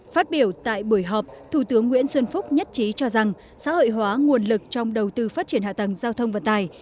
phát biểu tại buổi họp thủ tướng nguyễn xuân phúc nhất trí cho rằng xã hội hóa nguồn lực trong đầu tư phát triển hạ tầng giao thông vận tài